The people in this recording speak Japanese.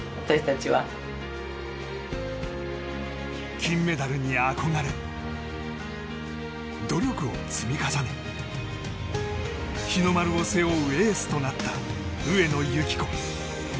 金メダルに憧れ努力を積み重ね日の丸を背負うエースとなった上野由岐子。